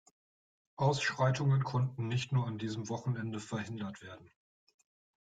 Ausschreitungen konnten nicht nur an diesem Wochenende verhindert werden.